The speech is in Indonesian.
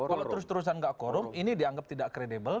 kalau terus terusan tidak quorum ini dianggap tidak credible